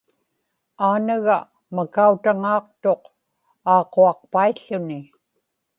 aanaga makautaŋaaqtuq aaquaqpaił̣ł̣uni